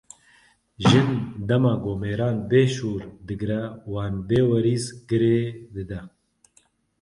Jin, dema ku mêran bêşûr digire wan bêwerîs girê dide.